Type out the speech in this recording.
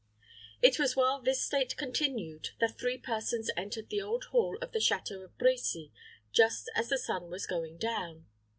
It was while this state continued, that three persons entered the old hall of the château of Brecy just as the sun was going down.